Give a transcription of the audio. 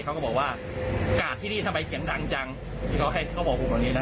เขาก็บอกว่ากาดที่นี่ทำไมเสียงดังจังที่เขาบอกว่าอยู่ตรงนี้นะ